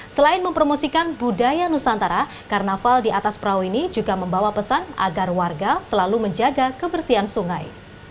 selain mempromosikan budaya nusantara karnaval di atas perahu ini juga membawa pesan agar warga selalu menjaga kebersihan sungai